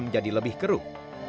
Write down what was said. jadi lebih keruh